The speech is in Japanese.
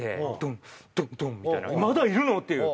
まだいるの？っていう。